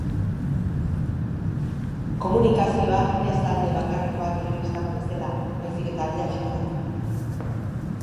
Komunikazioa ez da alde bakarrekoa telebistan bezala, baizik eta alde askotakoa.